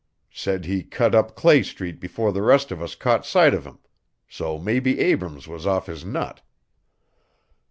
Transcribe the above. Said he cut up Clay Street before the rest of us caught sight of him so maybe Abrams was off his nut."